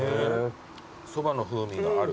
そばの風味がある？